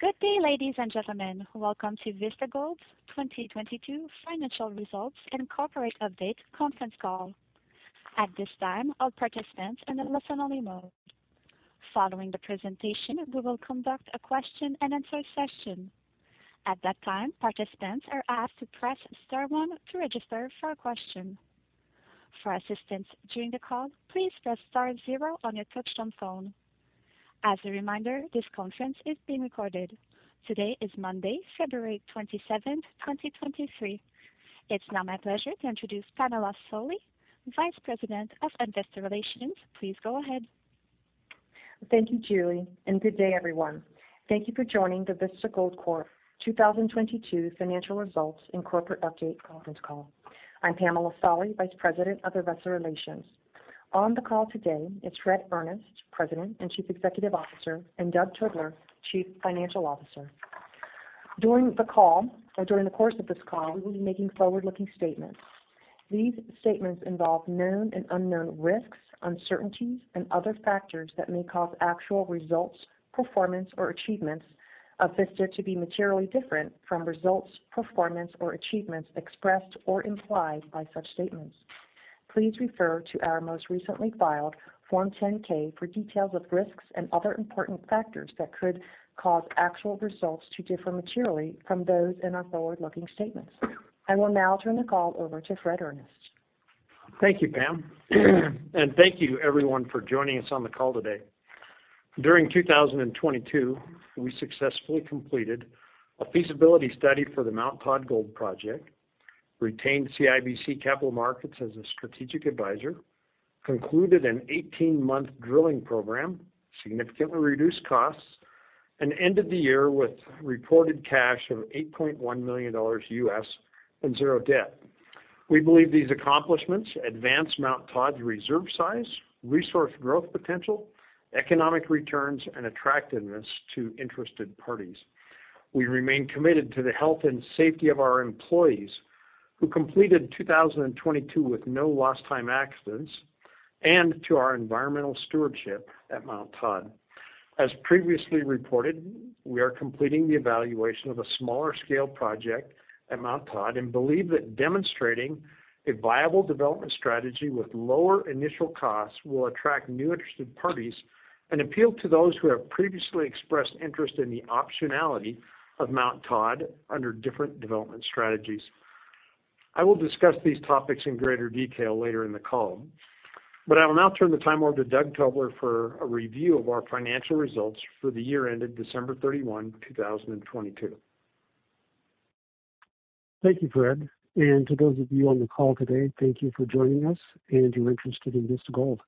Good day, ladies and gentlemen. Welcome to Vista Gold's 2022 Financial Results and Corporate Update Conference Call. At this time, all participants are in a listen-only mode. Following the presentation, we will conduct a question-and-answer session. At that time, participants are asked to press star one to register for a question. For assistance during the call, please press star zero on your touchtone phone. As a reminder, this conference is being recorded. Today is Monday, February 27th, 2023. It's now my pleasure to introduce Pamela Solly, Vice President of Investor Relations. Please go ahead. Thank you, Julie. Good day, everyone. Thank you for joining the Vista Gold Corp 2022 Financial Results and Corporate Update Conference Call. I'm Pamela Solly, Vice President of Investor Relations. On the call today is Fred Earnest, President and Chief Executive Officer, and Doug Tobler, Chief Financial Officer. During the call or during the course of this call, we will be making forward-looking statements. These statements involve known and unknown risks, uncertainties, and other factors that may cause actual results, performance, or achievements of Vista to be materially different from results, performance, or achievements expressed or implied by such statements. Please refer to our most recently filed Form 10-K for details of risks and other important factors that could cause actual results to differ materially from those in our forward-looking statements. I will now turn the call over to Fred Earnest. Thank you, Pam, and thank you everyone for joining us on the call today. During 2022, we successfully completed a feasibility study for the Mount Todd Gold Project, retained CIBC Capital Markets as a strategic advisor, concluded an 18-month drilling program, significantly reduced costs, and ended the year with reported cash of $8.1 million and zero debt. We believe these accomplishments advance Mount Todd reserve size, resource growth potential, economic returns, and attractiveness to interested parties. We remain committed to the health and safety of our employees who completed 2022 with no lost time accidents and to our environmental stewardship at Mount Todd. As previously reported, we are completing the evaluation of a smaller scale project at Mount Todd and believe that demonstrating a viable development strategy with lower initial costs will attract new interested parties and appeal to those who have previously expressed interest in the optionality of Mount Todd under different development strategies. I will discuss these topics in greater detail later in the call. I will now turn the time over to Doug Tobler for a review of our financial results for the year ended December 31, 2022. Thank you, Fred. To those of you on the call today, thank you for joining us and your interest in Vista Gold.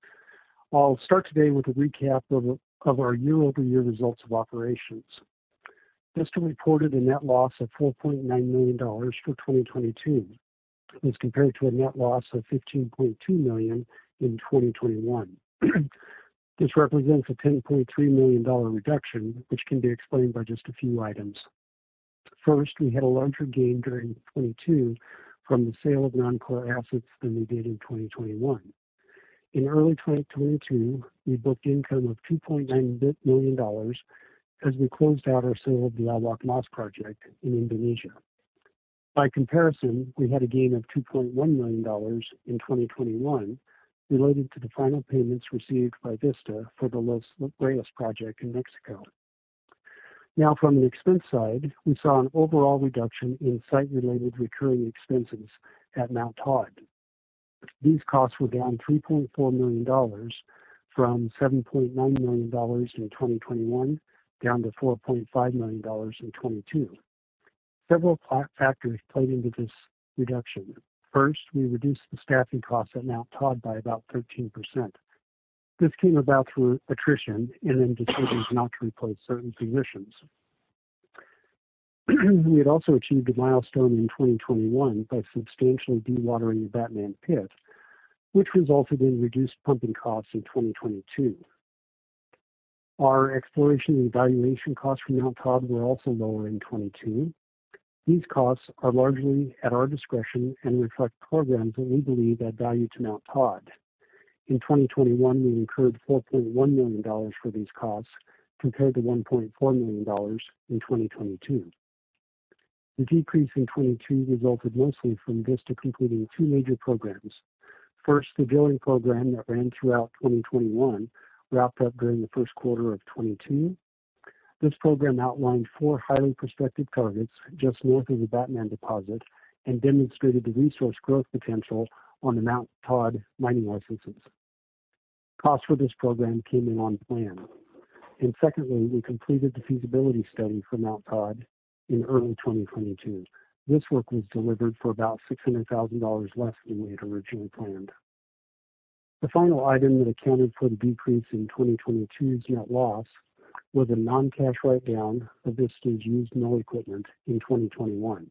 I'll start today with a recap of our year-over-year results of operations. Vista reported a net loss of $4.9 million for 2022, as compared to a net loss of $15.2 million in 2021. This represents a $10.3 million reduction, which can be explained by just a few items. First, we had a larger gain during 2022 from the sale of non-core assets than we did in 2021. In early 2022, we booked income of $2.9 million as we closed out our sale of the Awak Mas project in Indonesia. By comparison, we had a gain of $2.1 million in 2021 related to the final payments received by Vista for the Los Reales project in Mexico. From an expense side, we saw an overall reduction in site-related recurring expenses at Mount Todd. These costs were down $3.4 million from $7.9 million in 2021 down to $4.5 million in 2022. Several factors played into this reduction. First, we reduced the staffing costs at Mount Todd by about 13%. This came about through attrition and then decisions not to replace certain positions. We had also achieved a milestone in 2021 by substantially dewatering the Batman pit, which resulted in reduced pumping costs in 2022. Our exploration and evaluation costs for Mount Todd were also lower in 2022. These costs are largely at our discretion and reflect programs that we believe add value to Mount Todd. In 2021, we incurred $4.1 million for these costs, compared to $1.4 million in 2022. The decrease in 2022 resulted mostly from Vista completing two major programs. First, the drilling program that ran throughout 2021 wrapped up during the first quarter of 2020. This program outlined four highly prospective targets just north of the Batman deposit and demonstrated the resource growth potential on the Mount Todd mining licenses. Costs for this program came in on plan. Secondly, we completed the feasibility study for Mount Todd in early 2022. This work was delivered for about $600,000 less than we had originally planned. The final item that accounted for the decrease in 2022's net loss was a non-cash write-down of Vista's used mill equipment in 2021.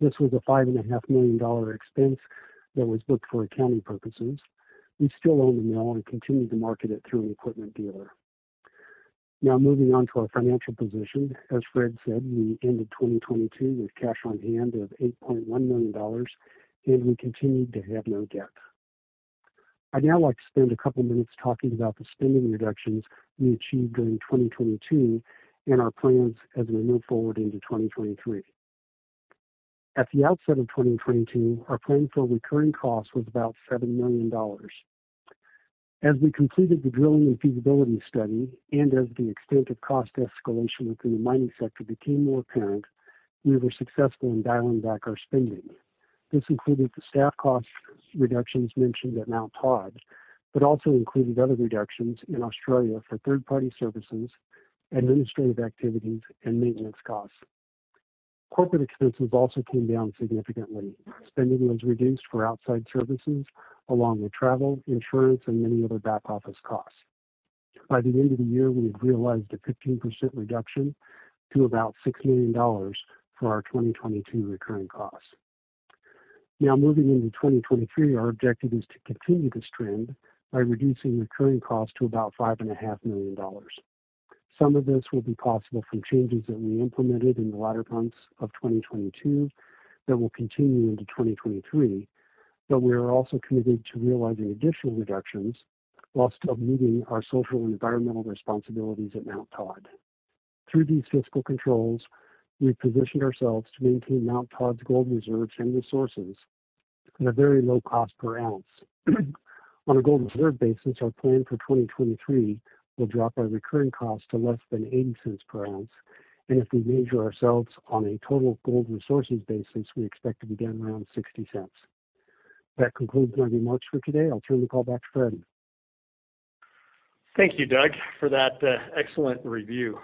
This was a $5.5 million expense that was booked for accounting purposes. We still own the mill and continue to market it through an equipment dealer. Moving on to our financial position. As Fred said, we ended 2022 with cash on hand of $8.1 million, and we continued to have no debt. I'd now like to spend a couple minutes talking about the spending reductions we achieved during 2022 and our plans as we move forward into 2023. At the outset of 2022, our plan for recurring costs was about $7 million. As we completed the drilling and feasibility study and as the extent of cost escalation within the mining sector became more apparent, we were successful in dialing back our spending. This included the staff cost reductions mentioned at Mount Todd, but also included other reductions in Australia for third-party services, administrative activities, and maintenance costs. Corporate expenses also came down significantly. Spending was reduced for outside services along with travel, insurance, and many other back-office costs. By the end of the year, we had realized a 15% reduction to about $6 million for our 2022 recurring costs. Moving into 2023, our objective is to continue this trend by reducing recurring costs to about $5.5 million. Some of this will be possible from changes that we implemented in the latter months of 2022 that will continue into 2023. We are also committed to realizing additional reductions while still meeting our social and environmental responsibilities at Mount Todd. Through these fiscal controls, we've positioned ourselves to maintain Mount Todd's gold reserves and resources at a very low cost per ounce. On a gold reserve basis, our plan for 2023 will drop our recurring cost to less than $0.80 per oz. If we measure ourselves on a total gold resources basis, we expect to be down around $0.60. That concludes my remarks for today. I'll turn the call back to Fred. Thank you, Doug, for that excellent review.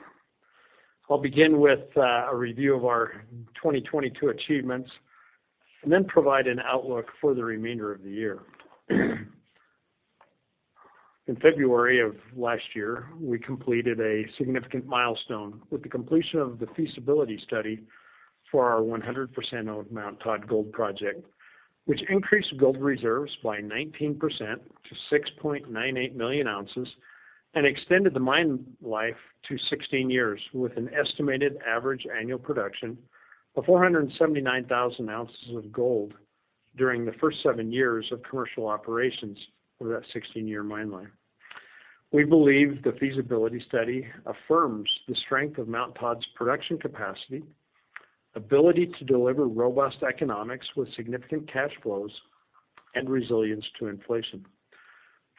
I'll begin with a review of our 2022 achievements and then provide an outlook for the remainder of the year. In February of last year, we completed a significant milestone with the completion of the feasibility study for our 100% owned Mount Todd Gold Project, which increased gold reserves by 19% to 6.98 million ounces and extended the mine life to 16 years with an estimated average annual production of 479,000 oz of gold during the first seven years of commercial operations over that 16-year mine life. We believe the feasibility study affirms the strength of Mount Todd's production capacity, ability to deliver robust economics with significant cash flows, and resilience to inflation.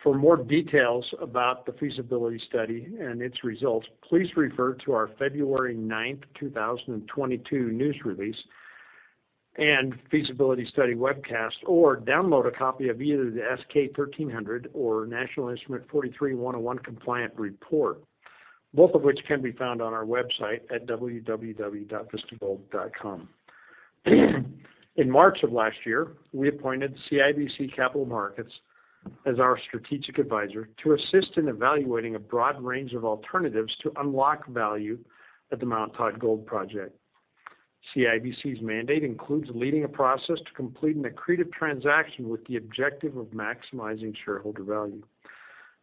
For more details about the feasibility study and its results, please refer to our February 9th, 2022 news release and feasibility study webcast, or download a copy of either the S-K 1300 or National Instrument 43-101 compliant report, both of which can be found on our website at www.vistagold.com. In March of last year, we appointed CIBC Capital Markets as our strategic advisor to assist in evaluating a broad range of alternatives to unlock value at the Mount Todd Gold Project. CIBC's mandate includes leading a process to complete an accretive transaction with the objective of maximizing shareholder value.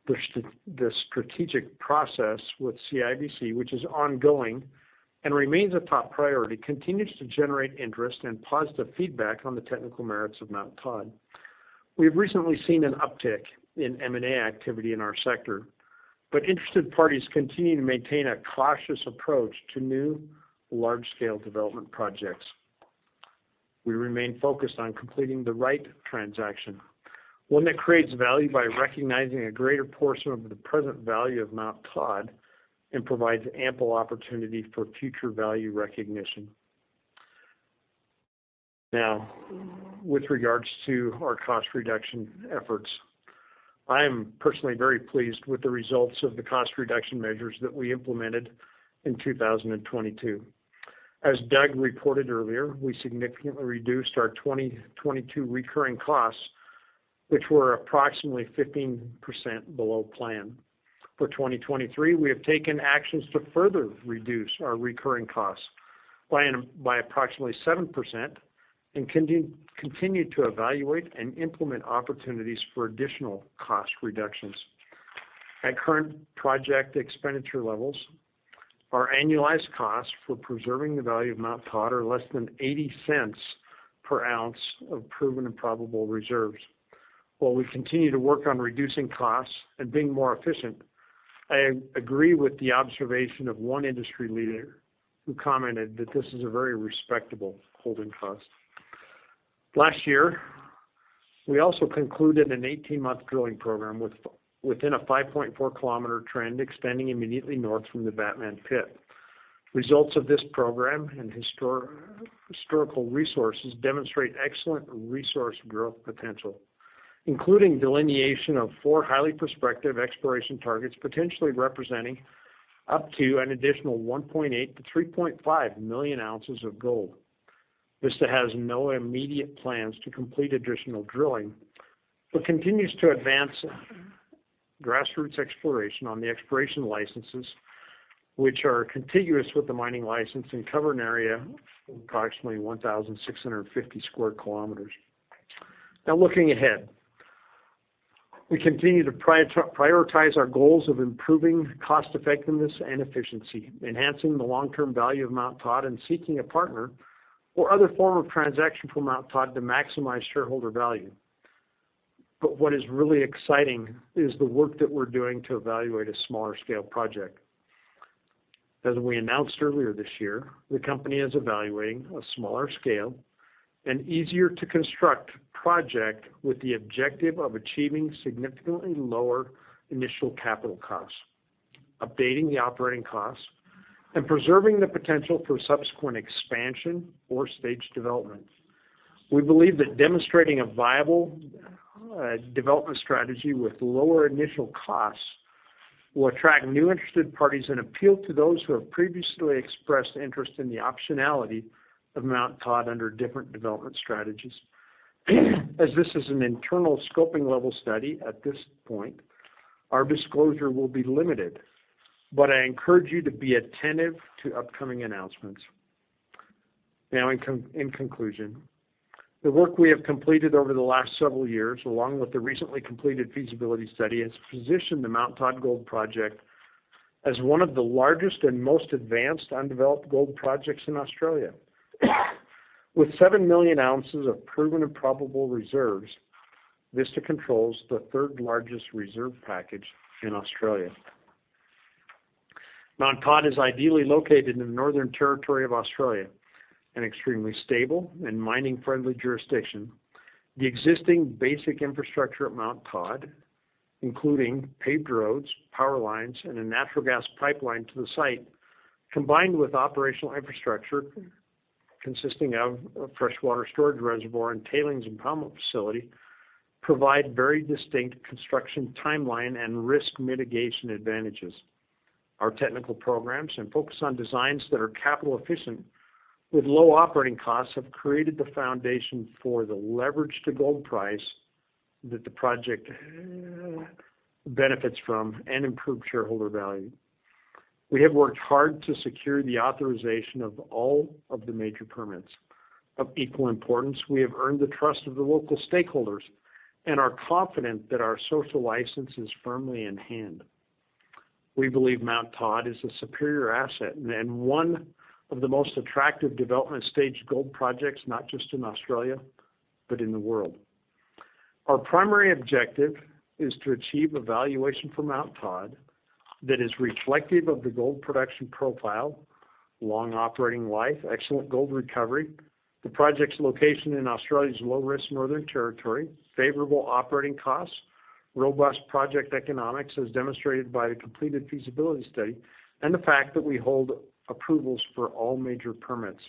The strategic process with CIBC, which is ongoing and remains a top priority, continues to generate interest and positive feedback on the technical merits of Mount Todd. We've recently seen an uptick in M&A activity in our sector, but interested parties continue to maintain a cautious approach to new large-scale development projects. We remain focused on completing the right transaction, one that creates value by recognizing a greater portion of the present value of Mount Todd and provides ample opportunity for future value recognition. Now, with regards to our cost reduction efforts, I am personally very pleased with the results of the cost reduction measures that we implemented in 2022. As Doug reported earlier, we significantly reduced our 2022 recurring costs, which were approximately 15% below plan. For 2023, we have taken actions to further reduce our recurring costs by approximately 7% and continue to evaluate and implement opportunities for additional cost reductions. At current project expenditure levels, our annualized costs for preserving the value of Mount Todd are less than $0.80 per oz of proven and probable reserves. While we continue to work on reducing costs and being more efficient, I agree with the observation of one industry leader who commented that this is a very respectable holding cost. Last year, we also concluded an 18-month drilling program within a 5.4 km trend extending immediately north from the Batman pit. Results of this program and historical resources demonstrate excellent resource growth potential, including delineation of four highly prospective exploration targets, potentially representing up to an additional 1.8 million-3.5 million oz of gold. Vista has no immediate plans to complete additional drilling but continues to advance grassroots exploration on the exploration licenses, which are contiguous with the mining license and cover an area of approximately 1,650 square kilometers. Looking ahead, we continue to prioritize our goals of improving cost effectiveness and efficiency, enhancing the long-term value of Mount Todd and seeking a partner or other form of transaction for Mount Todd to maximize shareholder value. What is really exciting is the work that we're doing to evaluate a smaller-scale project. As we announced earlier this year, the company is evaluating a smaller-scale and easier to construct project with the objective of achieving significantly lower initial capital costs, updating the operating costs, and preserving the potential for subsequent expansion or stage development. We believe that demonstrating a viable development strategy with lower initial costs will attract new interested parties and appeal to those who have previously expressed interest in the optionality of Mount Todd under different development strategies. As this is an internal scoping level study at this point, our disclosure will be limited, but I encourage you to be attentive to upcoming announcements. In conclusion, the work we have completed over the last several years, along with the recently completed feasibility study, has positioned the Mount Todd Gold Project as one of the largest and most advanced undeveloped gold projects in Australia. With 7 million oz of proven and probable reserves, Vista controls the third largest reserve package in Australia. Mount Todd is ideally located in the Northern Territory of Australia, an extremely stable and mining-friendly jurisdiction. The existing basic infrastructure at Mount Todd, including paved roads, power lines, and a natural gas pipeline to the site, combined with operational infrastructure consisting of a freshwater storage reservoir and tailings impoundment facility, provide very distinct construction timeline and risk mitigation advantages. Our technical programs and focus on designs that are capital efficient with low operating costs have created the foundation for the leverage to gold price that the project benefits from and improved shareholder value. We have worked hard to secure the authorization of all of the major permits. Of equal importance, we have earned the trust of the local stakeholders and are confident that our social license is firmly in hand. We believe Mount Todd is a superior asset and one of the most attractive development stage gold projects, not just in Australia, but in the world. Our primary objective is to achieve a valuation for Mount Todd that is reflective of the gold production profile, long operating life, excellent gold recovery, the project's location in Australia's low-risk Northern Territory, favorable operating costs, robust project economics as demonstrated by the completed feasibility study, and the fact that we hold approvals for all major permits.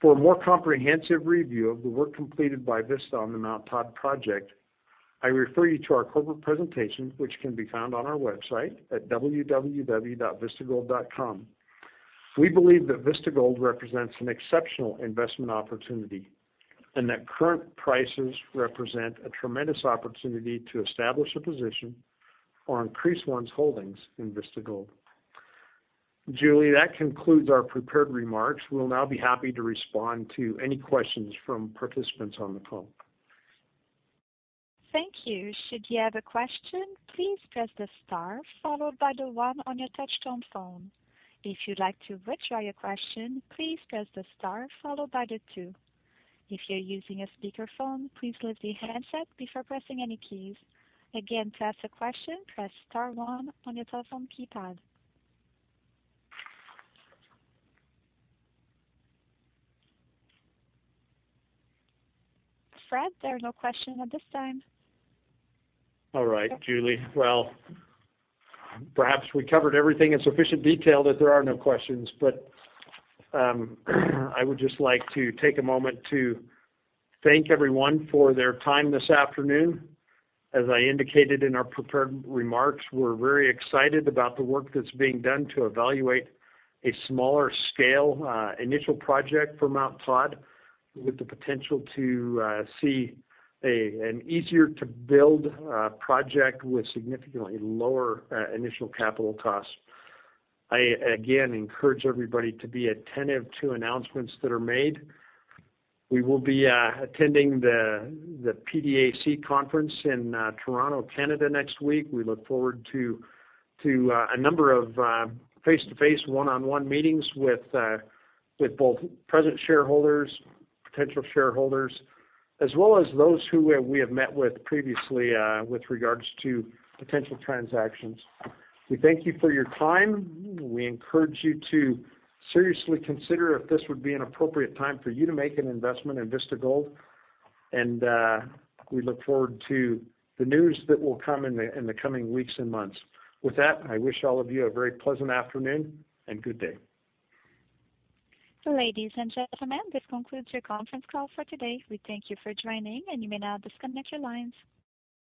For a more comprehensive review of the work completed by Vista on the Mount Todd project, I refer you to our corporate presentation, which can be found on our website at www.vistagold.com. We believe that Vista Gold represents an exceptional investment opportunity and that current prices represent a tremendous opportunity to establish a position or increase one's holdings in Vista Gold. Julie, that concludes our prepared remarks. We'll now be happy to respond to any questions from participants on the call. Thank you. Should you have a question, please press the star followed by the one on your touchtone phone. If you'd like to withdraw your question, please press the star followed by the two. If you're using a speaker phone, please lift the handset before pressing any keys. Again, to ask a question, press star one on your telephone keypad. Fred, there are no questions at this time. All right, Julie. Well, perhaps we covered everything in sufficient detail that there are no questions. I would just like to take a moment to thank everyone for their time this afternoon. As I indicated in our prepared remarks, we're very excited about the work that's being done to evaluate a smaller scale initial project for Mount Todd, with the potential to see an easier to build project with significantly lower initial capital costs. I again encourage everybody to be attentive to announcements that are made. We will be attending the PDAC conference in Toronto, Canada next week. We look forward to a number of face-to-face one-on-one meetings with both present shareholders, potential shareholders, as well as those who we have met with previously with regards to potential transactions. We thank you for your time. We encourage you to seriously consider if this would be an appropriate time for you to make an investment in Vista Gold, and, we look forward to the news that will come in the, in the coming weeks and months. With that, I wish all of you a very pleasant afternoon and good day. Ladies and gentlemen, this concludes your conference call for today. We thank you for joining. You may now disconnect your lines.